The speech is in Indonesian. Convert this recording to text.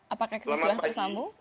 apakah kita sudah tersambung